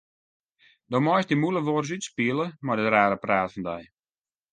Do meist dy de mûle wolris útspiele mei dat rare praat fan dy.